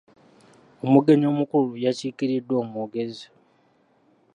Omugenyi omukulu yakiikiridddwa omwogezi.